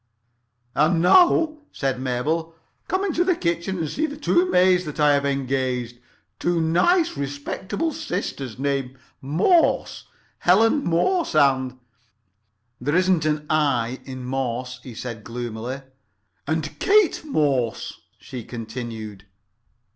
"And now," said Mabel, "come into the kitchen and see the two maids that I have engaged. Two nice respectable sisters named Morse—Ellen Morse and——" "There isn't an 'l' in Morse," he said gloomily. "And Kate Morse," Mabel continued.